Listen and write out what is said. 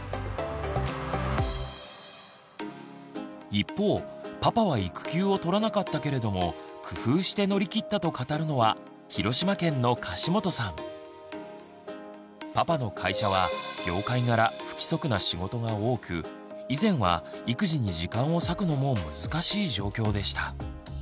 一方パパは育休を取らなかったけれども工夫して乗り切ったと語るのはパパの会社は業界柄不規則な仕事が多く以前は育児に時間を割くのも難しい状況でした。